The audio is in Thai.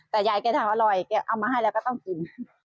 แต่ยายแกทำอร่อยแกเอามาให้แล้วก็ต้องกิน